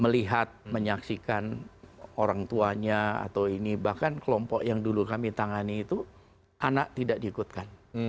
melihat menyaksikan orang tuanya atau ini bahkan kelompok yang dulu kami tangani itu anak tidak diikutkan